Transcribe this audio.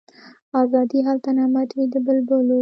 آزادي هلته نعمت وي د بلبلو